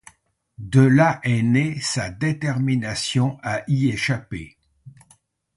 De là est née sa détermination à y échapper.